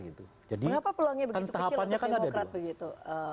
mengapa peluangnya begitu kecil untuk demokrat begitu